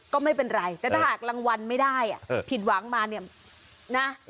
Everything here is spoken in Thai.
ก็ไม่เป็นไรแต่ถ้าหากรางวัลไม่ได้ผิดหวังมาเนี่ยนะ